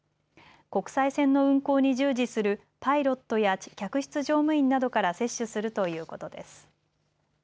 国際線の運航に従事するパイロットや客室乗務員などから接種するということです。